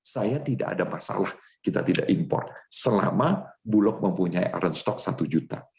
saya tidak ada masalah kita tidak impor selama bulog mempunyai aren stok satu juta